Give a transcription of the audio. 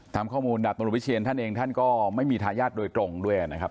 ถามข้อมูลดับบริเศษท่านเองท่านก็ไม่มีทายาทโดยตรงด้วยนะครับ